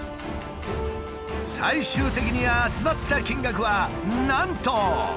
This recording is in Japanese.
最終的に集まった金額はなんと。